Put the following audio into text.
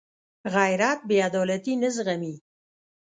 غیرت بېعدالتي نه زغمي